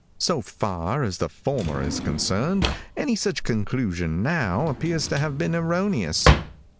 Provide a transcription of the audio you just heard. So far as the former is concerned, any such conclusion now appears to have been erroneous.